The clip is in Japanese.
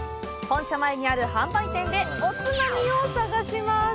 本社前にある販売店でおつまみを探します。